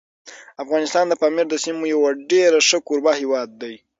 افغانستان د پامیر د سیمو یو ډېر ښه کوربه هیواد دی.